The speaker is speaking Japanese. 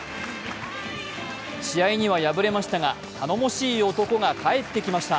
試合には敗れましたが頼もしい男が帰ってきました。